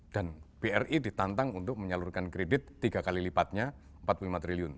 dan bri ditantang untuk menyalurkan kredit tiga kali lipatnya empat puluh lima triliun